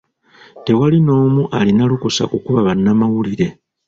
Tewali n'omu alina lukusa kukuba bannamawulire.